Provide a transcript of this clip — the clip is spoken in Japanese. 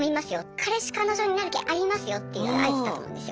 彼氏彼女になる気ありますよっていう合図だと思うんですよ。